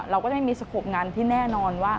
เราก็จะไม่มีสโขปงานที่แน่นอนว่า